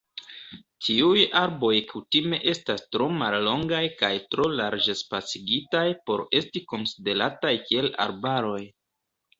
Tiuj arboj kutime estas tro mallongaj kaj tro larĝ-spacigitaj por esti konsiderataj kiel arbaroj.